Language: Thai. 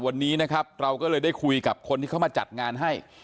วันนี้นะครับเราก็เลยได้คุยกับคนที่เขามาจัดงานให้